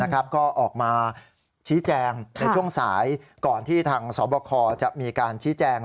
ก็ออกมาชี้แจงในช่วงสายก่อนที่ทางสบคจะมีการชี้แจง